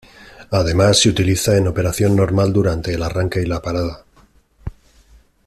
Además se utiliza en operación normal durante el arranque y la parada.